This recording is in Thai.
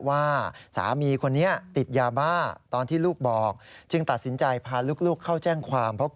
ว่าสามีคนนี้ติดยาบ้าตอนที่ลูกบอก